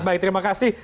baik terima kasih